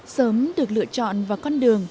sớm được lựa chọn vào con đường